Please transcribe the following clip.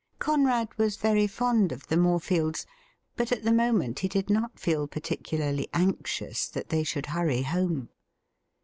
Conrad was very fond of the Morefields, but at the' moment he did not feel particularly anxious that they should hurry home.